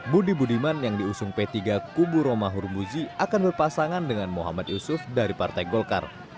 budi budiman yang diusung p tiga kubu romahur muzi akan berpasangan dengan muhammad yusuf dari partai golkar